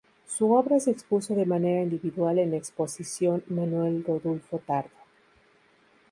Su obra se expuso de manera individual en ""Exposición Manuel Rodulfo Tardo"".